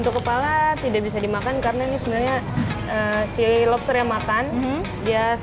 kepala tidak bisa dimakan karena ini sebenarnya si lobster yang makan dia